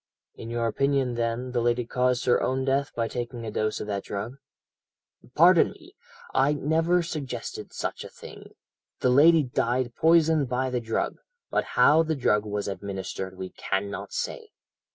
"'In your opinion, then, the lady caused her own death by taking a dose of that drug?' "'Pardon me, I never suggested such a thing; the lady died poisoned by the drug, but how the drug was administered we cannot say.